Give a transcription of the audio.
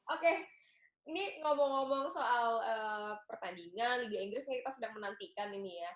oke ini ngomong ngomong soal pertandingan liga inggris kita sedang menantikan ini ya